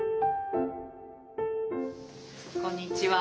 こんにちは。